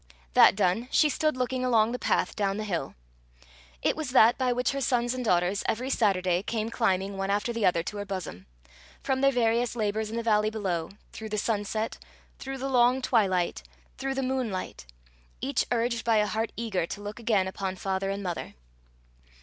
That done, she stood looking along the path down the hill. It was that by which her sons and daughters, every Saturday, came climbing, one after the other, to her bosom, from their various labours in the valley below, through the sunset, through the long twilight, through the moonlight, each urged by a heart eager to look again upon father and mother.